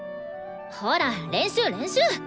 ほら練習練習！